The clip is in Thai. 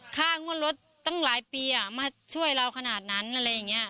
ค่างวดรถตั้งหลายปีมาช่วยเราขนาดนั้นอะไรอย่างนี้